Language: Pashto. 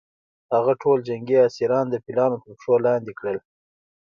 هغه ټول جنګي اسیران د پیلانو تر پښو لاندې کړل.